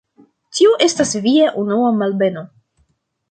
Tio estas Via unua malbeno.